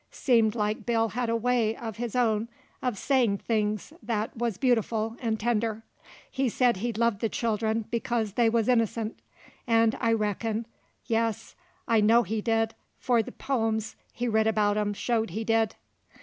Seemed like Bill had a way of his own of sayin' things that wuz beautiful 'nd tender; he said he loved the children because they wuz innocent, and I reckon yes, I know he did, for the pomes he writ about 'em showed he did.